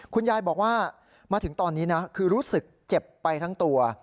คุณยายบอกว่ามาถึงตอนนี้นะคือรู้สึกเจ็บไปทั้งตัว